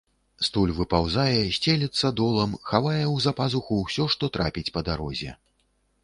Стуль выпаўзае, сцелецца долам, хавае ў запазуху ўсё, што трапіць па дарозе.